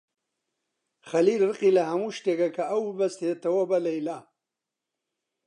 خەلیل ڕقی لە هەموو شتێکە کە ئەو ببەستێتەوە بە لەیلا.